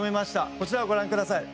こちらをご覧ください。